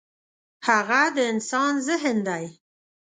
هغه د انسان ذهن دی.